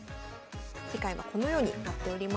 次回はこのようになっております。